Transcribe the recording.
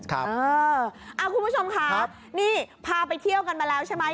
คุณผู้ชมครับนี่พาไปเที่ยวกันมาแล้วใช่ไหม